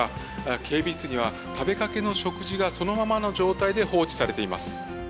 警備室には食べかけの食事がそのままの状態で放置されています。